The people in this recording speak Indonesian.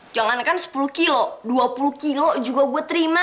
jangankan sepuluh kilo dua puluh kilo juga gue terima